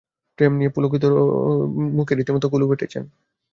প্রেম নিয়ে তো মুখে রীতিমতো কুলুপ এঁটেছেন।